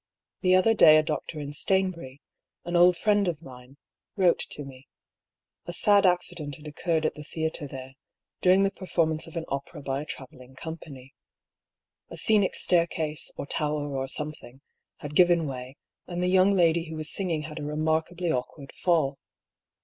The other day a doctor in Stainbury, an old friend of mine, wrote to me. A sad accident had occurred at the theatre there, during the performance of an opera by a travel ling company. A scenic staircase, or tower, or some thing, had given way, and the young lady who was singing had a remarkably awkward fall.